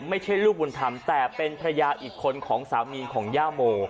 ไม่ใช่ลูกบุญธรรมแต่เป็นภรรยาอีกคนของสามีของย่าโม